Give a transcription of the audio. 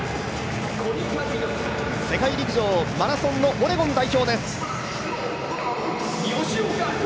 世界陸上マラソンのオレゴン代表です。